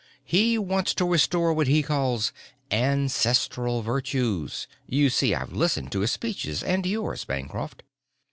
He wants to restore what he calls 'ancestral virtues' you see, I've listened to his speeches and yours, Bancroft.